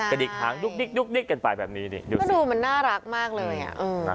กระดิกหางดุ๊กกันไปแบบนี้ดูสิดูมันน่ารักมากเลยอ่ะ